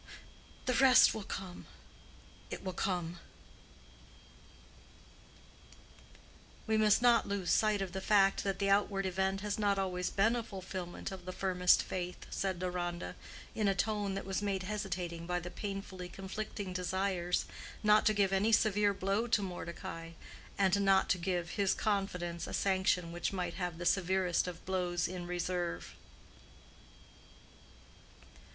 The rest will come—it will come." "We must not lose sight of the fact that the outward event has not always been a fulfillment of the firmest faith," said Deronda, in a tone that was made hesitating by the painfully conflicting desires, not to give any severe blow to Mordecai, and not to give his confidence a sanction which might have the severest of blows in reserve.